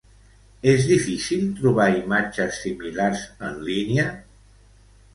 És difícil trobar imatges similars en línia?